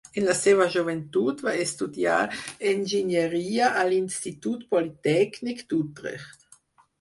En la seva joventut va estudiar enginyeria a l'Institut Politècnic d'Utrecht.